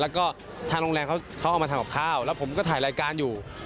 แล้วก็ทางโรงแรมเขาเอามาทำกับข้าวแล้วผมก็ถ่ายรายการอยู่